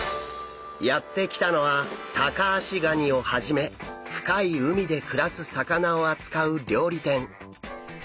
やって来たのはタカアシガニをはじめ深い海で暮らす魚を扱う料理店。